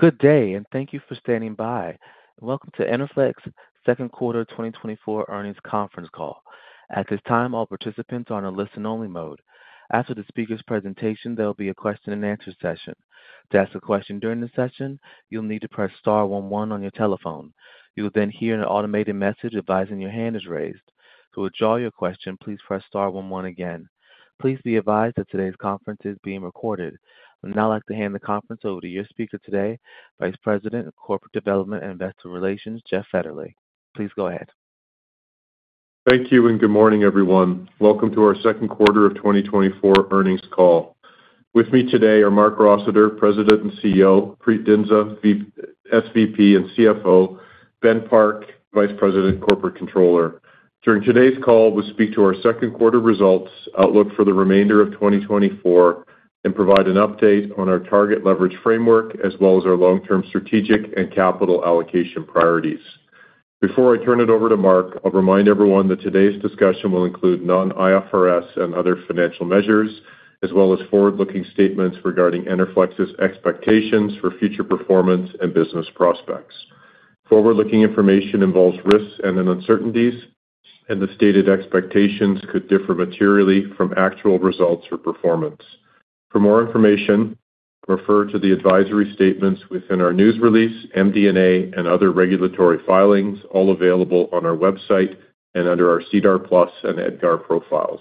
Good day, and thank you for standing by, and welcome to Enerflex second quarter 2024 earnings conference call. At this time, all participants are on a listen-only mode. After the speaker's presentation, there will be a question-and-answer session. To ask a question during the session, you'll need to press star one one on your telephone. You will then hear an automated message advising your hand is raised. To withdraw your question, please press star one one again. Please be advised that today's conference is being recorded. I'd now like to hand the conference over to your speaker today, Vice President of Corporate Development and Investor Relations, Jeff Fetterly. Please go ahead. Thank you, and good morning, everyone. Welcome to our second quarter of 2024 earnings call. With me today are Marc Rossiter, President and CEO, Preet Dhindsa, SVP and CFO, Ben Park, Vice President, Corporate Controller. During today's call, we'll speak to our second quarter results, outlook for the remainder of 2024, and provide an update on our target leverage framework, as well as our long-term strategic and capital allocation priorities. Before I turn it over to Marc, I'll remind everyone that today's discussion will include non-IFRS and other financial measures, as well as forward-looking statements regarding Enerflex's expectations for future performance and business prospects. Forward-looking information involves risks and then uncertainties, and the stated expectations could differ materially from actual results or performance. For more information, refer to the advisory statements within our news release, MD&A, and other regulatory filings, all available on our website and under our SEDAR+ and EDGAR profiles.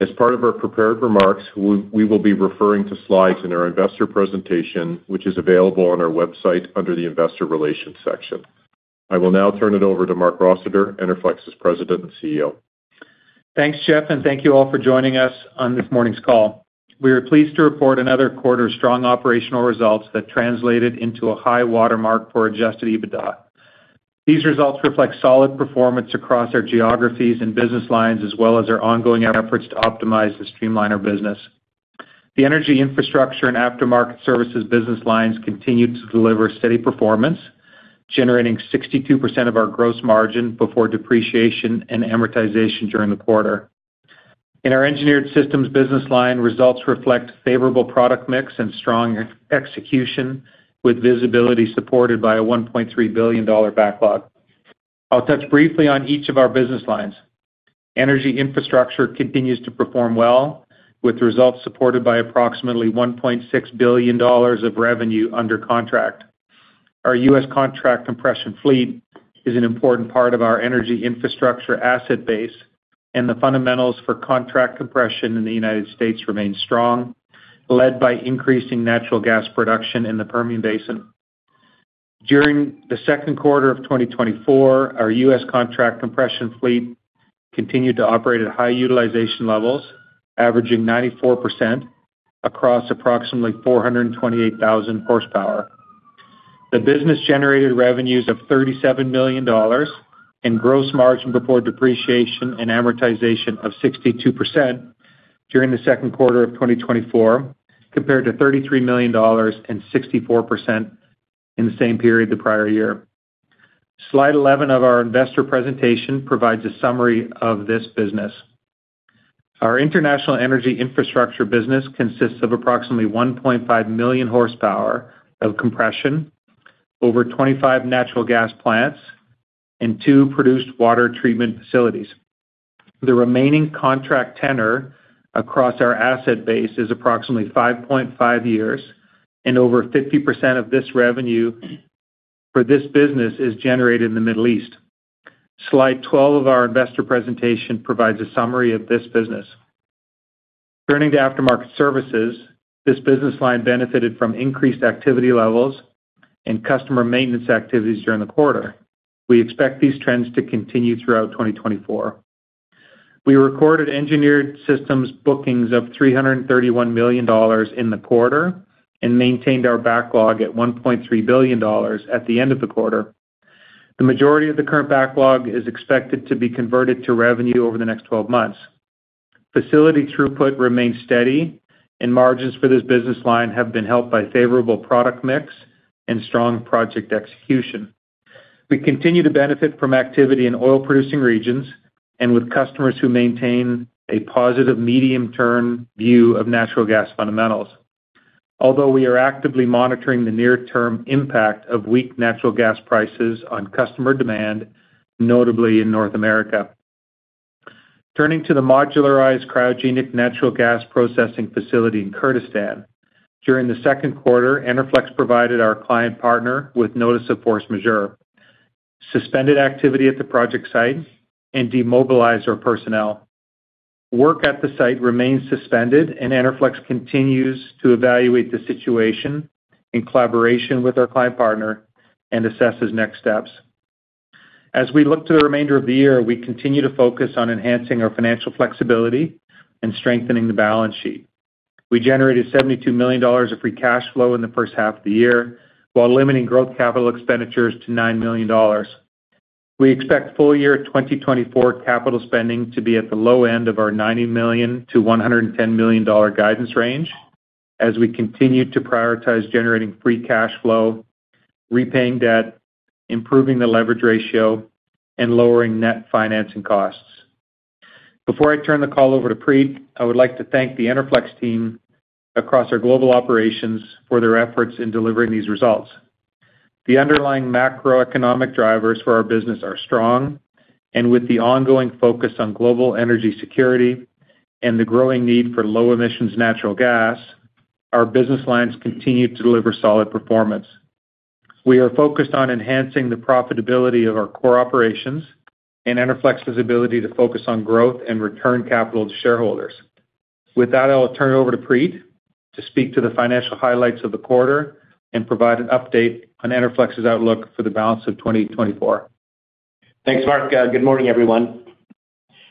As part of our prepared remarks, we will be referring to slides in our investor presentation, which is available on our website under the Investor Relations section. I will now turn it over to Marc Rossiter, Enerflex's President and CEO. Thanks, Jeff, and thank you all for joining us on this morning's call. We are pleased to report another quarter of strong operational results that translated into a high-water mark for Adjusted EBITDA. These results reflect solid performance across our geographies and business lines, as well as our ongoing efforts to optimize and streamline our business. The energy infrastructure and aftermarket services business lines continue to deliver steady performance, generating 62% of our gross margin before depreciation and amortization during the quarter. In our engineered systems business line, results reflect favorable product mix and strong execution, with visibility supported by a $1.3 billion backlog. I'll touch briefly on each of our business lines. Energy infrastructure continues to perform well, with results supported by approximately $1.6 billion of revenue under contract. Our U.S. contract compression fleet is an important part of our energy infrastructure asset base, and the fundamentals for contract compression in the United States remain strong, led by increasing natural gas production in the Permian Basin. During the second quarter of 2024, our U.S. contract compression fleet continued to operate at high utilization levels, averaging 94% across approximately 428,000 horsepower. The business-generated revenues of $37 million and Gross Margin before Depreciation and Amortization of 62% during the second quarter of 2024, compared to $33 million and 64% in the same period the prior year. Slide 11 of our investor presentation provides a summary of this business. Our international energy infrastructure business consists of approximately 1.5 million horsepower of compression, over 25 natural gas plants, and 2 produced water treatment facilities. The remaining contract tenor across our asset base is approximately 5.5 years, and over 50% of this revenue for this business is generated in the Middle East. Slide 12 of our investor presentation provides a summary of this business. Turning to aftermarket services, this business line benefited from increased activity levels and customer maintenance activities during the quarter. We expect these trends to continue throughout 2024. We recorded engineered systems bookings of $331 million in the quarter and maintained our backlog at $1.3 billion at the end of the quarter. The majority of the current backlog is expected to be converted to revenue over the next 12 months. Facility throughput remains steady, and margins for this business line have been helped by favorable product mix and strong project execution. We continue to benefit from activity in oil-producing regions and with customers who maintain a positive medium-term view of natural gas fundamentals, although we are actively monitoring the near-term impact of weak natural gas prices on customer demand, notably in North America. Turning to the modularized cryogenic natural gas processing facility in Kurdistan. During the second quarter, Enerflex provided our client partner with notice of force majeure, suspended activity at the project site, and demobilized our personnel. Work at the site remains suspended, and Enerflex continues to evaluate the situation in collaboration with our client partner and assess his next steps. As we look to the remainder of the year, we continue to focus on enhancing our financial flexibility and strengthening the balance sheet. We generated $72 million of free cash flow in the first half of the year, while limiting growth capital expenditures to $9 million. We expect full year 2024 capital spending to be at the low end of our $90 million-$110 million guidance range as we continue to prioritize generating free cash flow, repaying debt, improving the leverage ratio, and lowering net financing costs. Before I turn the call over to Preet, I would like to thank the Enerflex team across our global operations for their efforts in delivering these results. The underlying macroeconomic drivers for our business are strong, and with the ongoing focus on global energy security and the growing need for low-emissions natural gas, our business lines continue to deliver solid performance. We are focused on enhancing the profitability of our core operations and Enerflex's ability to focus on growth and return capital to shareholders. With that, I'll turn it over to Preet to speak to the financial highlights of the quarter and provide an update on Enerflex's outlook for the balance of 2024. Thanks, Marc. Good morning, everyone.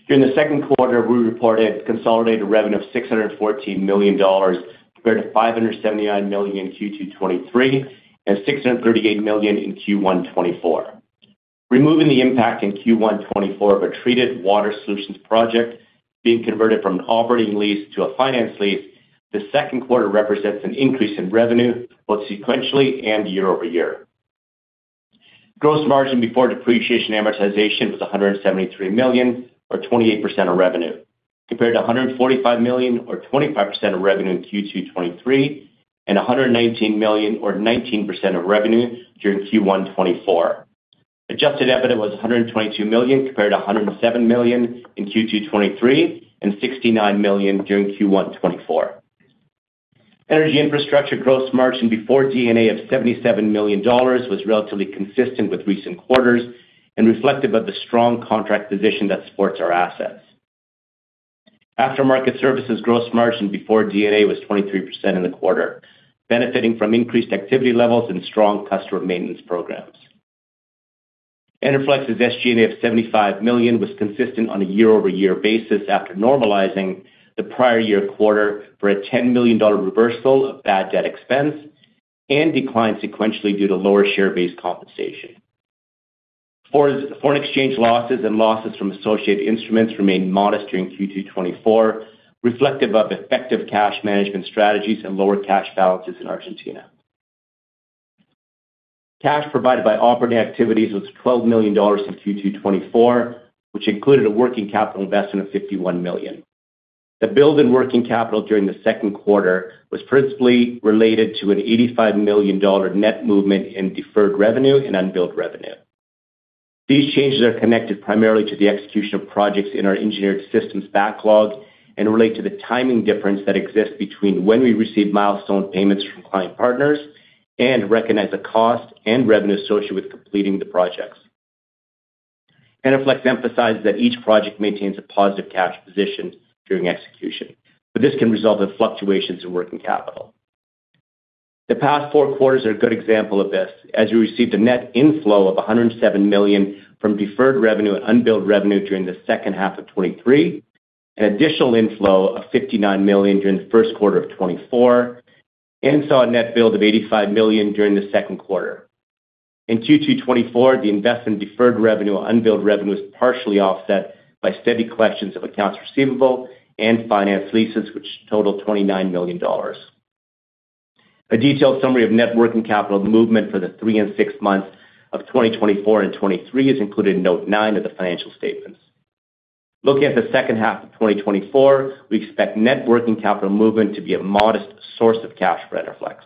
During the second quarter, we reported consolidated revenue of $614 million, compared to $579 million in Q2 2023 and $638 million in Q1 2024. Removing the impact in Q1 2024 of a treated water solutions project being converted from an operating lease to a finance lease, the second quarter represents an increase in revenue, both sequentially and year-over-year. Gross margin before depreciation amortization was $173 million, or 28% of revenue, compared to $145 million, or 25% of revenue in Q2 2023, and $119 million, or 19% of revenue during Q1 2024. Adjusted EBITDA was $122 million, compared to $107 million in Q2 2023 and $69 million during Q1 2024. Energy infrastructure gross margin before D&A of $77 million was relatively consistent with recent quarters and reflective of the strong contract position that supports our assets. Aftermarket services gross margin before D&A was 23% in the quarter, benefiting from increased activity levels and strong customer maintenance programs. Enerflex's SG&A of $75 million was consistent on a year-over-year basis after normalizing the prior year quarter for a $10 million reversal of bad debt expense and declined sequentially due to lower share-based compensation. Foreign exchange losses and losses from associated instruments remained modest during Q2 2024, reflective of effective cash management strategies and lower cash balances in Argentina. Cash provided by operating activities was $12 million in Q2 2024, which included a working capital investment of $51 million. The build in working capital during the second quarter was principally related to an $85 million net movement in deferred revenue and unbilled revenue. These changes are connected primarily to the execution of projects in our Engineered Systems backlog and relate to the timing difference that exists between when we receive milestone payments from client partners and recognize the cost and revenue associated with completing the projects. Enerflex emphasizes that each project maintains a positive cash position during execution, but this can result in fluctuations in working capital. The past four quarters are a good example of this, as we received a net inflow of $107 million from deferred revenue and unbilled revenue during the second half of 2023, an additional inflow of $59 million during the first quarter of 2024, and saw a net build of $85 million during the second quarter. In Q2 2024, the investment in deferred revenue and unbilled revenue was partially offset by steady collections of accounts receivable and finance leases, which totaled $29 million. A detailed summary of net working capital movement for the three and six months of 2024 and 2023 is included in Note 9 of the financial statements. Looking at the second half of 2024, we expect net working capital movement to be a modest source of cash for Enerflex.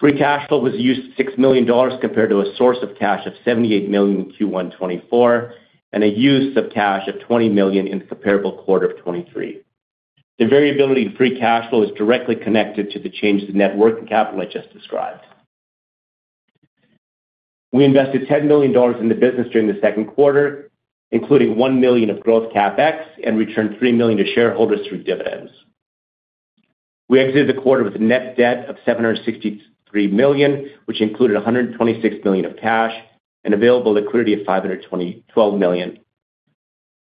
Free cash flow was used $6 million compared to a source of cash of $78 million in Q1 2024, and a use of cash of $20 million in the comparable quarter of 2023. The variability in free cash flow is directly connected to the change in net working capital I just described. We invested $10 million in the business during the second quarter, including $1 million of growth CapEx, and returned $3 million to shareholders through dividends. We exited the quarter with a net debt of $763 million, which included $126 million of cash and available liquidity of $522 million.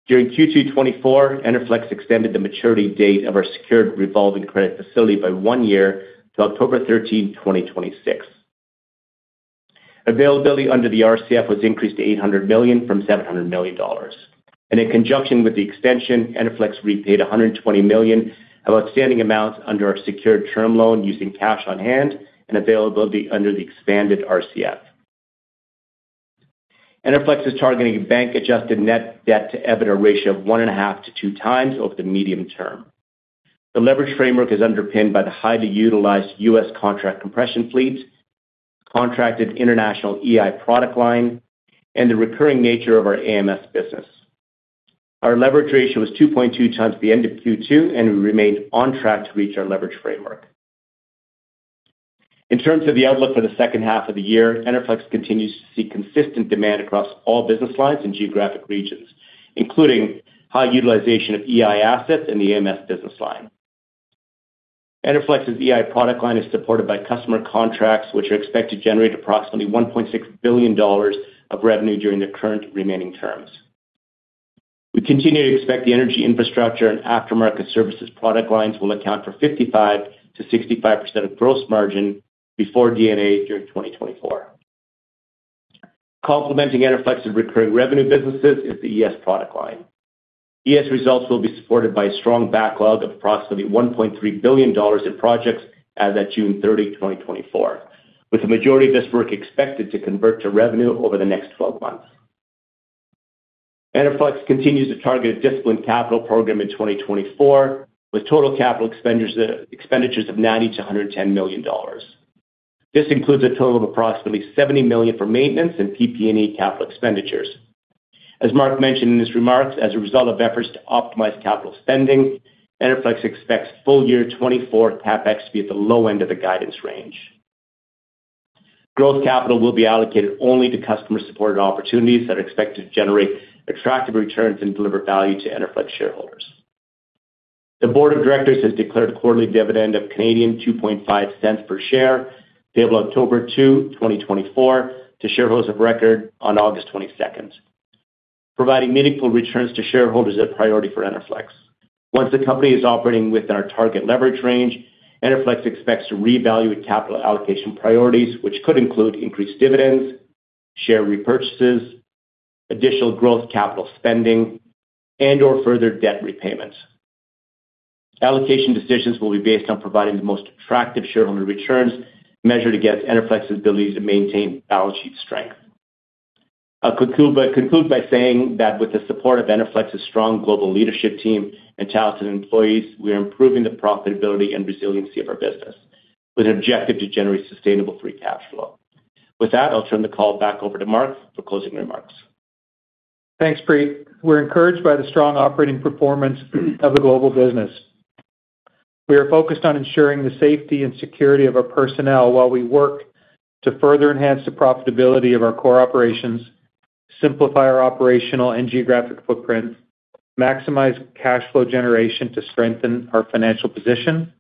During Q2 2024, Enerflex extended the maturity date of our secured revolving credit facility by 1 year to October 13, 2026. Availability under the RCF was increased to $800 million from $700 million. In conjunction with the extension, Enerflex repaid $120 million of outstanding amounts under our secured term loan using cash on hand and availability under the expanded RCF. Enerflex is targeting a bank-adjusted net debt-to-EBITDA ratio of 1.5x-2x over the medium term. The leverage framework is underpinned by the highly utilized U.S. contract compression fleet, contracted international EI product line, and the recurring nature of our AMS business. Our leverage ratio was 2.2x at the end of Q2, and we remained on track to reach our leverage framework. In terms of the outlook for the second half of the year, Enerflex continues to see consistent demand across all business lines and geographic regions, including high utilization of EI assets in the AMS business line. Enerflex's EI product line is supported by customer contracts, which are expected to generate approximately $1.6 billion of revenue during the current remaining terms. We continue to expect the energy infrastructure and aftermarket services product lines will account for 55%-65% of gross margin before D&A during 2024. Complementing Enerflex's recurring revenue businesses is the ES product line. ES results will be supported by a strong backlog of approximately $1.3 billion in projects as at June 30th, 2024, with the majority of this work expected to convert to revenue over the next 12 months. Enerflex continues to target a disciplined capital program in 2024, with total capital expenditures of $90 million-$110 million. This includes a total of approximately $70 million for maintenance and PP&E capital expenditures. As Marc mentioned in his remarks, as a result of efforts to optimize capital spending, Enerflex expects full year 2024 CapEx to be at the low end of the guidance range. Growth capital will be allocated only to customer-supported opportunities that are expected to generate attractive returns and deliver value to Enerflex shareholders. The board of directors has declared a quarterly dividend of 0.025 per share, payable October 2, 2024, to shareholders of record on August 22nd. Providing meaningful returns to shareholders is a priority for Enerflex. Once the company is operating within our target leverage range, Enerflex expects to reevaluate capital allocation priorities, which could include increased dividends, share repurchases, additional growth capital spending, and/or further debt repayments. Allocation decisions will be based on providing the most attractive shareholder returns, measured against Enerflex's ability to maintain balance sheet strength. I'll conclude by saying that with the support of Enerflex's strong global leadership team and talented employees, we are improving the profitability and resiliency of our business, with an objective to generate sustainable free cash flow. With that, I'll turn the call back over to Marc for closing remarks. Thanks, Preet. We're encouraged by the strong operating performance of the global business. We are focused on ensuring the safety and security of our personnel while we work to further enhance the profitability of our core operations, simplify our operational and geographic footprint, maximize cash flow generation to strengthen our financial position,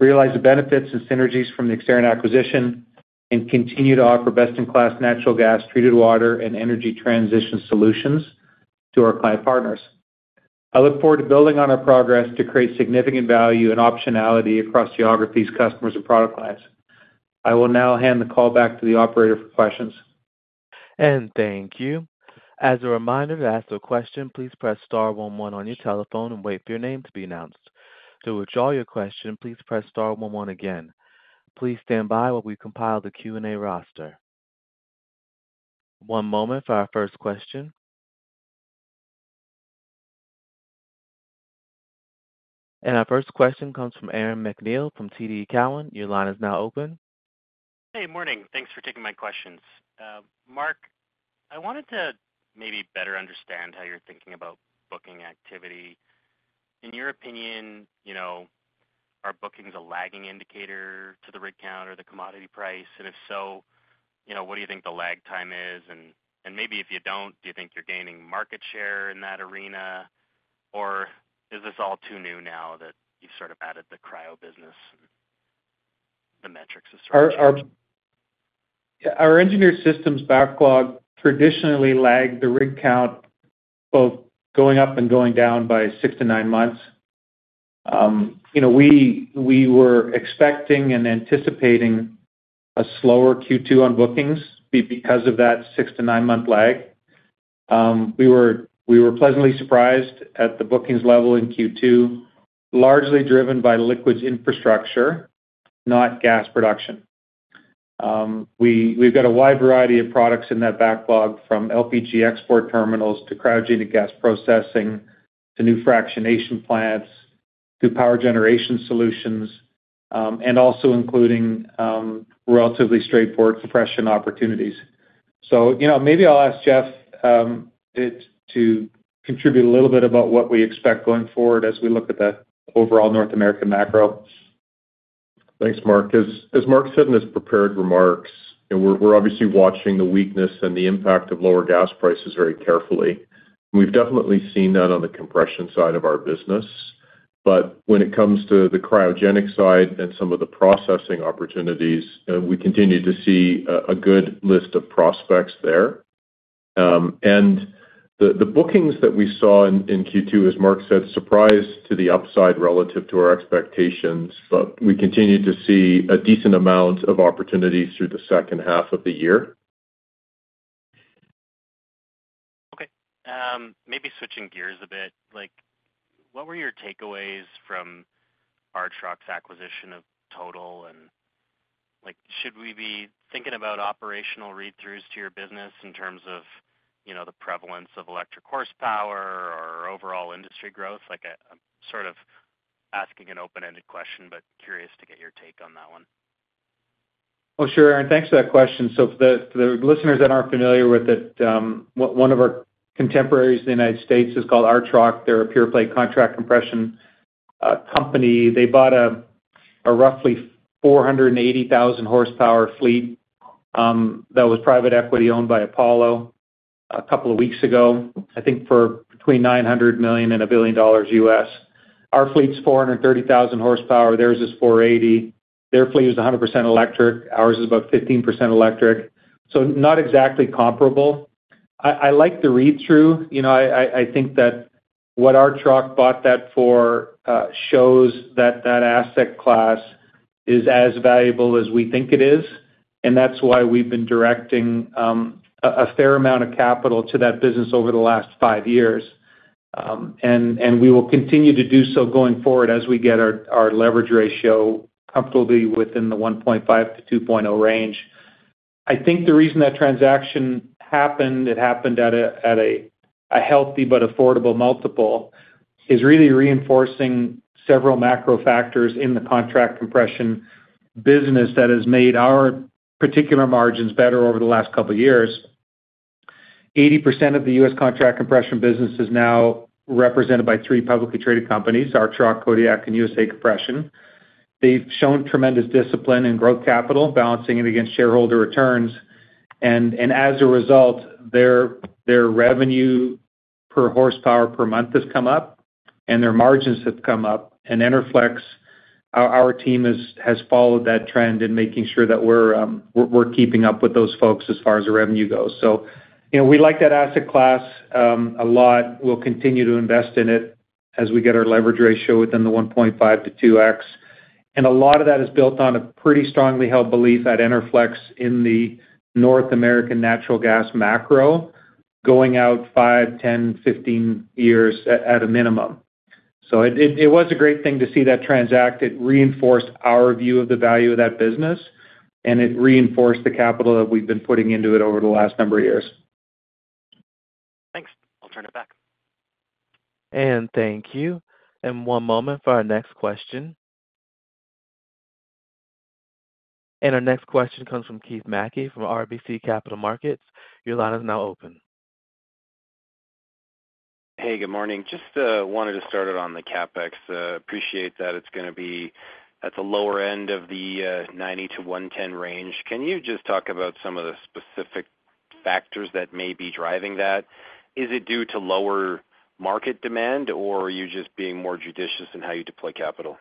realize the benefits and synergies from the Exterran acquisition, and continue to offer best-in-class natural gas, treated water, and energy transition solutions to our client partners. I look forward to building on our progress to create significant value and optionality across geographies, customers, and product lines. I will now hand the call back to the operator for questions. Thank you. As a reminder, to ask a question, please press star one one on your telephone and wait for your name to be announced. To withdraw your question, please press star one one again. Please stand by while we compile the Q&A roster. One moment for our first question. Our first question comes from Aaron MacNeil from TD Cowen. Your line is now open. Hey, morning. Thanks for taking my questions. Marc, I wanted to maybe better understand how you're thinking about booking activity. In your opinion, you know, are bookings a lagging indicator to the rig count or the commodity price? And if so, you know, what do you think the lag time is? And, and maybe if you don't, do you think you're gaining market share in that arena, or is this all too new now that you've sort of added the Cryo business and the metrics are sort of. Our engineered systems backlog traditionally lagged the rig count, both going up and going down by six-to-nine months. You know, we were expecting and anticipating a slower Q2 on bookings because of that six-to-nine-month lag. We were pleasantly surprised at the bookings level in Q2, largely driven by liquids infrastructure, not gas production. We've got a wide variety of products in that backlog, from LPG export terminals to cryogenic gas processing to new fractionation plants to power generation solutions, and also including relatively straightforward compression opportunities. So, you know, maybe I'll ask Jeff to contribute a little bit about what we expect going forward as we look at the overall North American macro. Thanks, Marc. As Marc said in his prepared remarks, and we're obviously watching the weakness and the impact of lower gas prices very carefully. We've definitely seen that on the compression side of our business. But when it comes to the cryogenic side and some of the processing opportunities, we continue to see a good list of prospects there. And the bookings that we saw in Q2, as Marc said, surprised to the upside relative to our expectations, but we continue to see a decent amount of opportunities through the second half of the year. Okay. Maybe switching gears a bit, like, what were your takeaways from Archrock's acquisition of Total? And like, should we be thinking about operational read-throughs to your business in terms of, you know, the prevalence of electric horsepower or overall industry growth? Like, I'm sort of asking an open-ended question, but curious to get your take on that one. Oh, sure, Aaron, thanks for that question. So for the listeners that aren't familiar with it, one of our contemporaries in the United States is called Archrock. They're a pure play contract compression company. They bought a roughly 480,000 horsepower fleet that was private equity owned by Apollo a couple of weeks ago, I think for between $900 million and $1 billion. Our fleet's 430,000 horsepower. Theirs is 480. Their fleet is 100% electric. Ours is about 15% electric, so not exactly comparable. I like the read-through. You know, I think that what Archrock bought that for shows that that asset class is as valuable as we think it is, and that's why we've been directing a fair amount of capital to that business over the last five years. We will continue to do so going forward as we get our leverage ratio comfortably within the 1.5-2.0 range. I think the reason that transaction happened, it happened at a healthy but affordable multiple, is really reinforcing several macro factors in the contract compression business that has made our particular margins better over the last couple of years. 80% of the U.S. contract compression business is now represented by three publicly traded companies, Archrock, Kodiak, and USA Compression. They've shown tremendous discipline in growth capital, balancing it against shareholder returns. As a result, their revenue per horsepower per month has come up and their margins have come up. And Enerflex, our team has followed that trend in making sure that we're, we're keeping up with those folks as far as the revenue goes. So, you know, we like that asset class a lot. We'll continue to invest in it as we get our leverage ratio within the 1.5x-2x. And a lot of that is built on a pretty strongly held belief at Enerflex in the North American natural gas macro, going out 5, 10, 15 years at a minimum. So it was a great thing to see that transact.It reinforced our view of the value of that business, and it reinforced the capital that we've been putting into it over the last number of years. Thanks. I'll turn it back. Thank you. One moment for our next question. Our next question comes from Keith Mackey from RBC Capital Markets. Your line is now open. Hey, good morning. Just wanted to start it on the CapEx. Appreciate that it's gonna be at the lower end of the 90-110 range. Can you just talk about some of the specific factors that may be driving that? Is it due to lower market demand, or are you just being more judicious in how you deploy capital?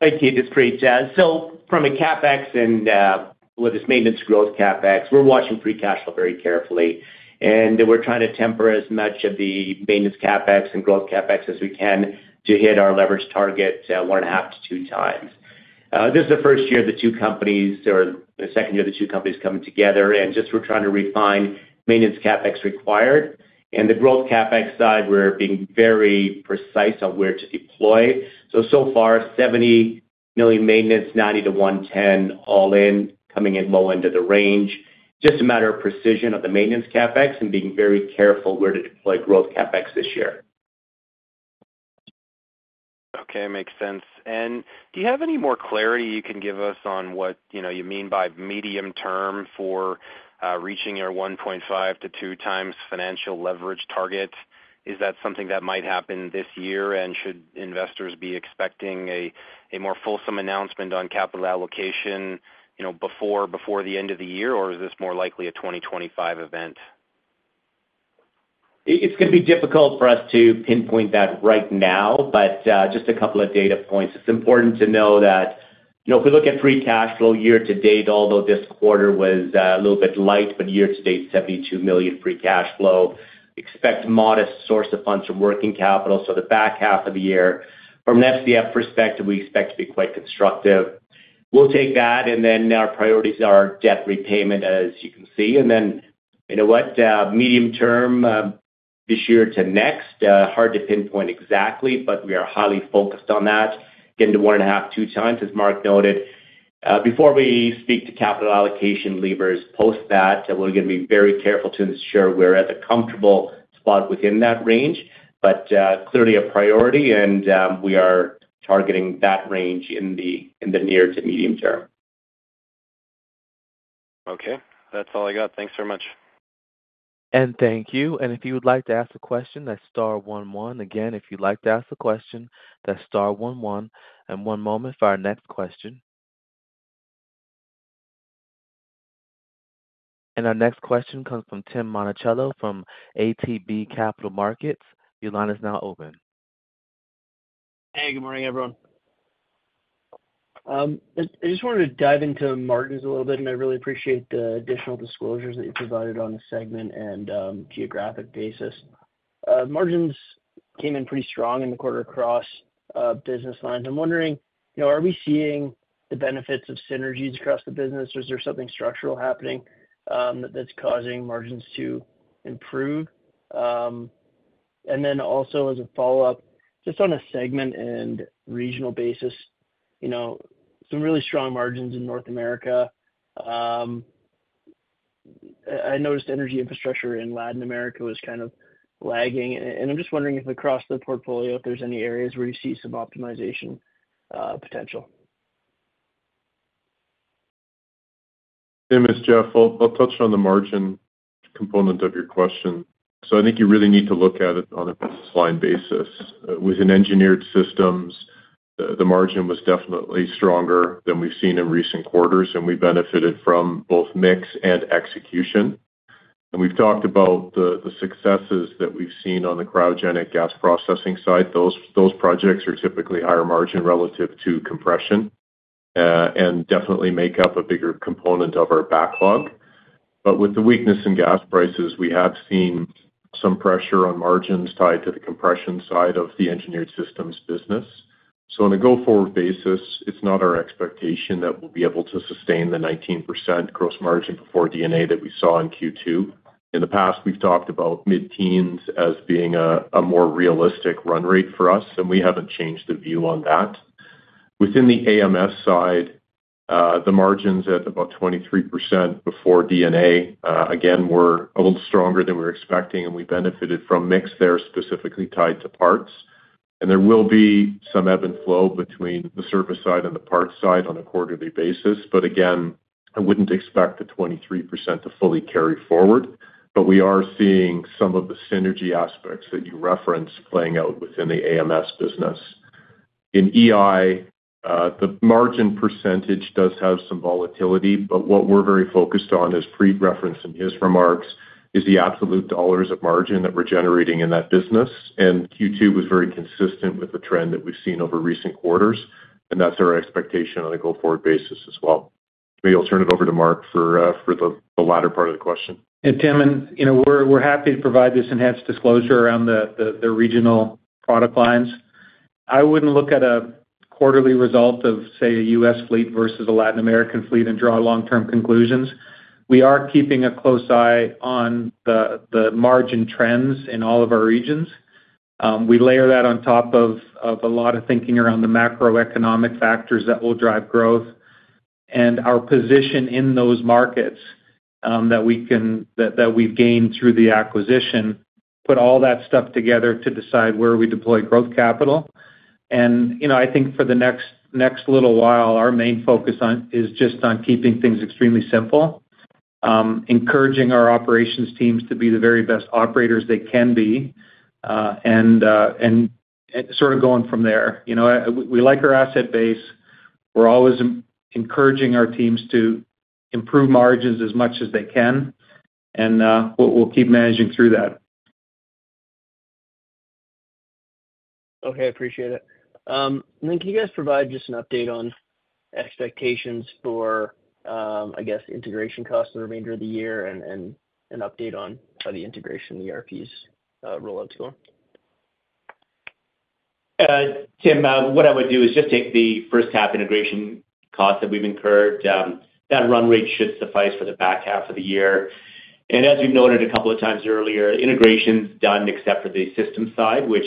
Hey, Keith, it's Preet. So from a CapEx and, well, this maintenance growth CapEx, we're watching free cash flow very carefully, and we're trying to temper as much of the maintenance CapEx and growth CapEx as we can to hit our leverage target, 1.5x-2x. This is the first year the two companies, or the second year the two companies coming together, and just we're trying to refine maintenance CapEx required. And the growth CapEx side, we're being very precise on where to deploy. So, so far, $70 million maintenance, $90 million-$110 million, all in, coming in low end of the range. Just a matter of precision of the maintenance CapEx and being very careful where to deploy growth CapEx this year. Okay, makes sense. Do you have any more clarity you can give us on what, you know, you mean by medium term for reaching your 1.5x-2x financial leverage target? Is that something that might happen this year, and should investors be expecting a more fulsome announcement on capital allocation, you know, before the end of the year, or is this more likely a 2025 event? It's gonna be difficult for us to pinpoint that right now, but just a couple of data points. It's important to know that, you know, if we look at Free Cash Flow year-to-date, although this quarter was a little bit light, but year-to-date, 72 million Free Cash Flow, expect modest source of funds from working capital. So the back half of the year, from an FCF perspective, we expect to be quite constructive. We'll take that, and then our priorities are debt repayment, as you can see. And then, you know what, medium term, this year to next, hard to pinpoint exactly, but we are highly focused on that, getting to 1.5x, 2x, as Marc noted. Before we speak to capital allocation levers, post that, we're gonna be very careful to ensure we're at a comfortable spot within that range, but clearly a priority, and we are targeting that range in the near to medium term. Okay. That's all I got. Thanks very much. Thank you. If you would like to ask a question, that's star one one. Again, if you'd like to ask a question, that's star one one. One moment for our next question. Our next question comes from Tim Monachello from ATB Capital Markets. Your line is now open. Hey, good morning, everyone. I just wanted to dive into margins a little bit, and I really appreciate the additional disclosures that you provided on the segment and geographic basis. Margins came in pretty strong in the quarter across business lines. I'm wondering, you know, are we seeing the benefits of synergies across the business, or is there something structural happening that's causing margins to improve? And then also, as a follow-up, just on a segment and regional basis, you know, some really strong margins in North America. I noticed energy infrastructure in Latin America was kind of lagging, and I'm just wondering if across the portfolio, if there's any areas where you see some optimization potential? Hey, this is Jeff. I'll touch on the margin component of your question. So I think you really need to look at it on a business line basis. Within Engineered Systems, the margin was definitely stronger than we've seen in recent quarters, and we benefited from both mix and execution. And we've talked about the successes that we've seen on the cryogenic gas processing side. Those projects are typically higher margin relative to compression, and definitely make up a bigger component of our backlog. But with the weakness in gas prices, we have seen some pressure on margins tied to the compression side of the Engineered Systems business. So on a go-forward basis, it's not our expectation that we'll be able to sustain the 19% gross margin before D&A that we saw in Q2. In the past, we've talked about mid-teens as being a more realistic run rate for us, and we haven't changed the view on that. Within the AMS side, the margins at about 23% before D&A, again, were a little stronger than we were expecting, and we benefited from mix there, specifically tied to parts. There will be some ebb and flow between the service side and the parts side on a quarterly basis, but again, I wouldn't expect the 23% to fully carry forward. We are seeing some of the synergy aspects that you referenced playing out within the AMS business. In EI, the margin percentage does have some volatility, but what we're very focused on, as Preet referenced in his remarks, is the absolute dollars of margin that we're generating in that business, and Q2 was very consistent with the trend that we've seen over recent quarters, and that's our expectation on a go-forward basis as well. Maybe I'll turn it over to Marc for the latter part of the question. Tim, you know, we're happy to provide this enhanced disclosure around the regional product lines. I wouldn't look at a quarterly result of, say, a U.S. fleet versus a Latin American fleet and draw long-term conclusions. We are keeping a close eye on the margin trends in all of our regions. We layer that on top of a lot of thinking around the macroeconomic factors that will drive growth and our position in those markets, that we've gained through the acquisition, put all that stuff together to decide where we deploy growth capital. You know, I think for the next little while, our main focus is just on keeping things extremely simple, encouraging our operations teams to be the very best operators they can be, and sort of going from there. You know, we like our asset base. We're always encouraging our teams to improve margins as much as they can, and we'll keep managing through that. Okay, appreciate it. And then can you guys provide just an update on expectations for, I guess, integration costs for the remainder of the year and, and an update on, on the integration, the ERPs, rollout tool? Tim, what I would do is just take the first half integration costs that we've incurred, that run rate should suffice for the back half of the year. And as we've noted a couple of times earlier, integration's done except for the system side, which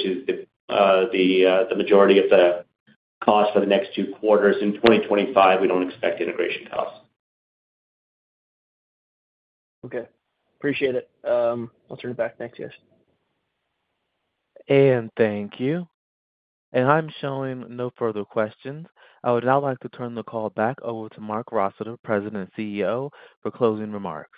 is the majority of the cost for the next two quarters. In 2025, we don't expect integration costs. Okay, appreciate it. I'll turn it back. Next, yes. Thank you. I'm showing no further questions. I would now like to turn the call back over to Marc Rossiter, President and CEO, for closing remarks.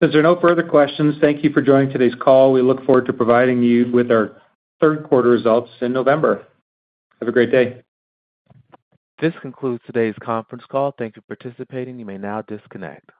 As there are no further questions, thank you for joining today's call. We look forward to providing you with our third quarter results in November. Have a great day. This concludes today's conference call. Thank you for participating. You may now disconnect.